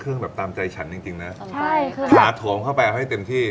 เครื่องแบบตามใจฉันจริงนะถาดถมเข้าไปให้เต็มที่